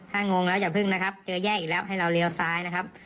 ถ้างงแล้วอย่าพึ่งนะครับเจอแยกอีกแล้วให้เราเลี้ยวซ้ายนะครับ